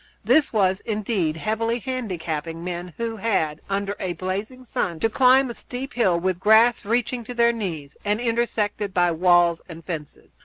This was, indeed, heavily handicapping men who had, under a blazing sun, to climb a steep hill, with grass reaching to their knees, and intersected by walls and fences.